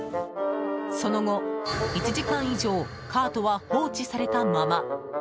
その後、１時間以上カートは放置されたまま。